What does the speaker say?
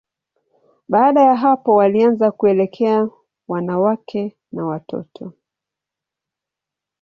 Baada ya hapo, walianza kuelekea wanawake na watoto.